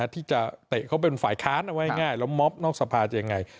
ที่จะเตะเขาเป็นฝ่ายค้านเอาไว้ง่ายแล้วมอบนอกสภาจะยังไง